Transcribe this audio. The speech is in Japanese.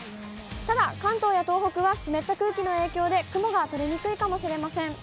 ただ、関東や東北は湿った空気の影響で雲が取れにくいかもしれません。